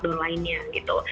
set out lainnya gitu